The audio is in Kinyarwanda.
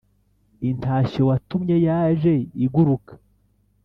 intashyo watumye yaje iguruka